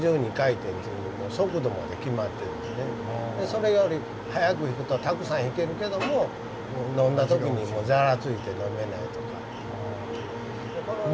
それより速くひくとたくさんひけるけども飲んだ時にざらついて飲めないとか。